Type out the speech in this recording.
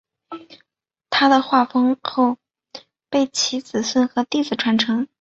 他的画风后被其子孙和弟子传承。